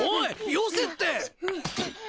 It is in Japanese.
よせって。